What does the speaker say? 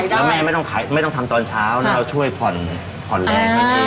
แล้วแม่ไม่ต้องขายไม่ต้องทำตอนเช้าแล้วเราช่วยผ่อนแรกให้เอง